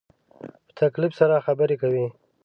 په تکلف سره خبرې کوې